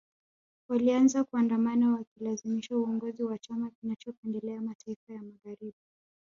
Walianza kuandamana wakalazimisha uongozi wa chama kinachopendelea mataifa ya Magharibi